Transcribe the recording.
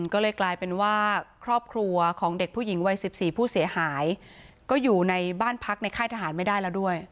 ก็เลยกลายเป็นว่าครอบครัวของเด็กผู้หญิงวัย๑๔ผู้เสียหายก็อยู่ในบ้านพักในค่ายทหารไม่ได้แล้วด้วย